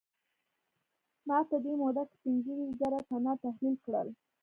ما په دې موده کې پينځه ويشت زره تنه تحليل کړل.